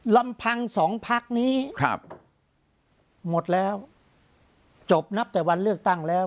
ลำพังสองพักนี้ครับหมดแล้วจบนับแต่วันเลือกตั้งแล้ว